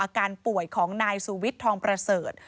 อาการป่วยของนายสุวิทย์ทองประเสริฐ